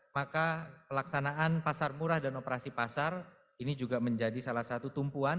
maka pelaksanaan pasar murah dan operasi pasar ini juga menjadi salah satu tumpuan